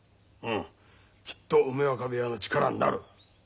きっと梅若部屋の力になる。